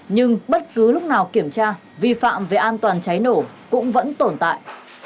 nhưng bất cứ lúc nào kiểm tra vi phạm về an toàn cháy nổ cũng vẫn tồn tại